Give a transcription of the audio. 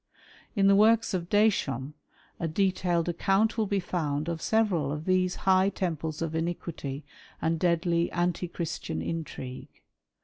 In the works of Deschamps, a detailed account will be found of several of these high temples of iniquity and deadly, anti Christian intrigue.